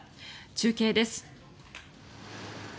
中継です。